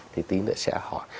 thì tí nữa sẽ hỏi